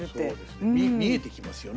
見えてきますよね。